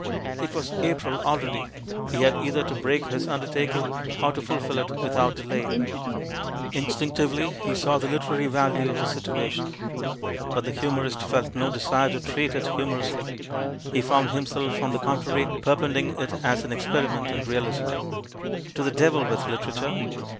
It was April already; he had either to break his undertaking, or to fulfil it without delay. In stinctively he saw the literary value of the situa tion. But the humorist felt no desire to treat it 236 THE MAN WHO UNDERSTOOD WOMEN humorously. He found himself, on the contrary, perpending it as an experiment in realism. To the devil with literature!